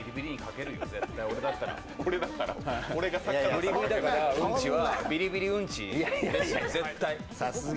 ブリブリだから、うんちは。